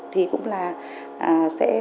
thì cũng là sẽ